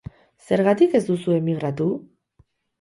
Zergatik ez duzue emigratu?